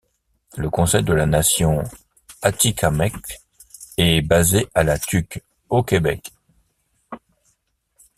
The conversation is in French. Le Conseil de la Nation atikamekw est basé à La Tuque au Québec.